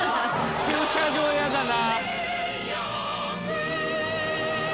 駐車場やだな。